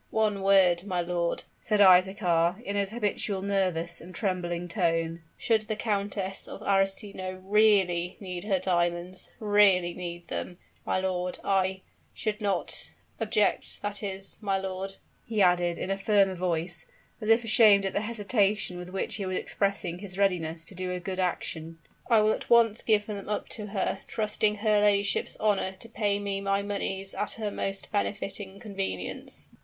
"One word, my lord," said Isaachar, in his habitual nervous and trembling tone. "Should the Countess of Arestino really need her diamonds really need them, my lord I should not object that is, my lord," he added in a firmer voice, as if ashamed at the hesitation with which he was expressing his readiness to do a good action, "I will at once give them up to her, trusting to her ladyship's honor to pay me my moneys at her most befitting convenience."